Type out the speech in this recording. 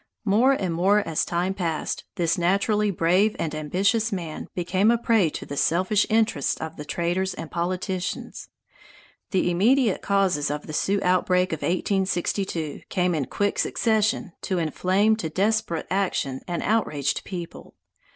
More and more as time passed, this naturally brave and ambitious man became a prey to the selfish interests of the traders and politicians. The immediate causes of the Sioux outbreak of 1862 came in quick succession to inflame to desperate action an outraged people.